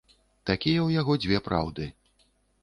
Такія ў яго дзве праўды.